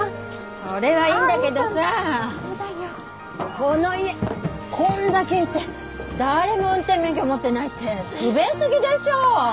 それはいいんだけどさこの家こんだけいて誰も運転免許持ってないって不便すぎでしょう。